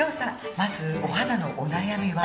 まずお肌のお悩みは？